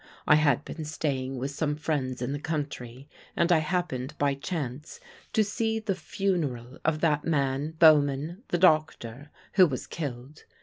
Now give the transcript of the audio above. I had been staying with some friends in the country, and I happened by chance to see the funeral of that man Bauman, the doctor, who was killed.